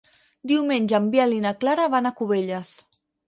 Diumenge en Biel i na Clara van a Cubelles.